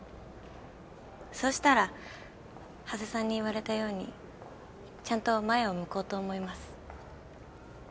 そうしたら羽瀬さんに言われたようにちゃんと前を向こうと思います。